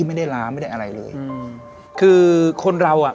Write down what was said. นี่น่าแหละ